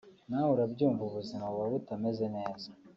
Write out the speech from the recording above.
nawe urabyumva ubuzima buba butameze neza